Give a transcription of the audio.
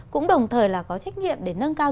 cũng đồng thời là có trách nhiệm để nâng cao